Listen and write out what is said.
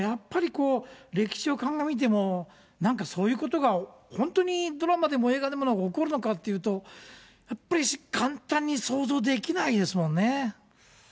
こう、歴史を鑑みても、なんかそういうことが、本当にドラマでも映画でもなく起こるのかっていうと、やっぱり簡単に想像できないですもんね。